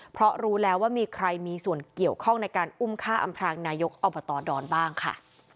เพราะรู้แล้วว่ามีใครมีส่วนเกี่ยวข้องในการอุ้มฆ่าอำพรางนายกอบตดอนบ้างค่ะ